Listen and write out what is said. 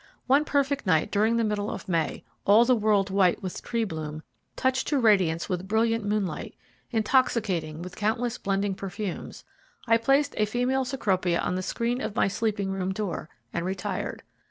One perfect night during the middle of May, all the world white with tree bloom, touched to radiance with brilliant moonlight; intoxicating with countless blending perfumes, I placed a female Cecropia on the screen of my sleeping room door and retired.